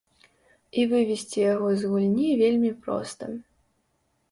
І вывесці яго з гульні вельмі проста.